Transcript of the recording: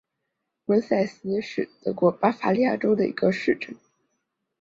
翁塞斯是德国巴伐利亚州的一个市镇。